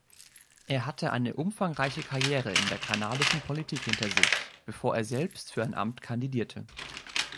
Er hatte eine umfangreiche Karriere in der kanadischen Politik hinter sich, bevor er selbst für ein Amt kandidierte.